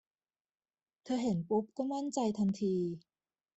เธอเห็นปุ๊บก็มั่นใจทันที